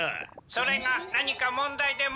それが何か問題でも？